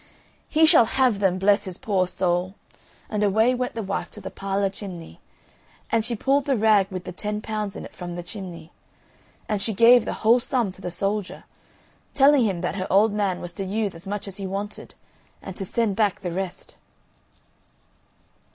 "He shall have them, bless his poor soul!" And away went the wife to the parlour chimney, and she pulled the rag with the ten pounds in it from the chimney, and she gave the whole sum to the soldier, telling him that her old man was to use as much as he wanted, and to send back the rest.